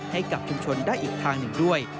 ให้กับชุมชนได้อีกทางหนึ่งด้วย